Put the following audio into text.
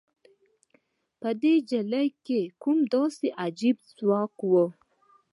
په دې نجلۍ کې کوم داسې عجيب ځواک و؟